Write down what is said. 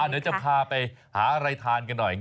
เดี๋ยวจะพาไปหาอะไรทานกันหน่อย